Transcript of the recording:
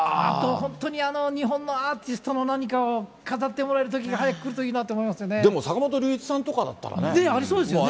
本当に日本のアーティストの何かを飾ってもらえるときが、早でも坂本龍一さんとかだったありそうですよね。